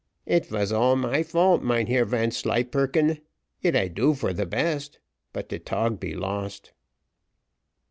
"It was all my fault, Mynheer Vanslyperken; yet I do for the best, but de tog be lost."